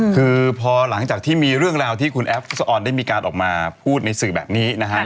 คือพอหลังจากที่มีเรื่องราวที่คุณแอฟฟุศออนได้มีการออกมาพูดในสื่อแบบนี้นะฮะ